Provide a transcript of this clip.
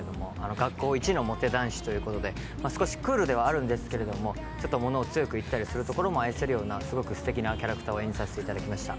学校イチのモテ男子ということで少しクールではあるんですけどもちょっと物を強く言ったするところも愛せるような、すごくすてきなキャラクターを演じさせていただきました。